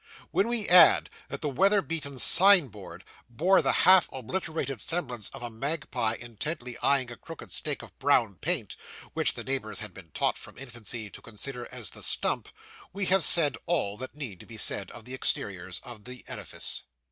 When we add that the weather beaten signboard bore the half obliterated semblance of a magpie intently eyeing a crooked streak of brown paint, which the neighbours had been taught from infancy to consider as the 'stump,' we have said all that need be said of the exterior of the edifice.